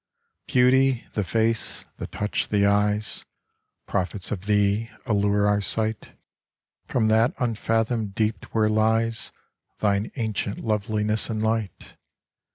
Beauty, the face, the touch, the eyes, Prophets of thee, allure our sight From that unfathomed deep where lies Thine ancient loveliness and light.